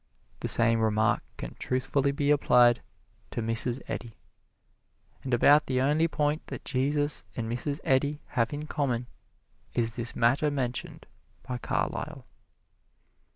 The same remark can truthfully be applied to Mrs. Eddy. And about the only point that Jesus and Mrs. Eddy have in common is this matter mentioned by Carlyle.